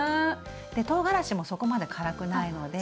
でとうがらしもそこまで辛くないので。